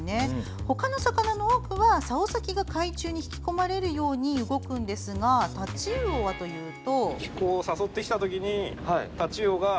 ほかの魚の多くはさお先が海中に引き込まれるように動くんですがタチウオはというと。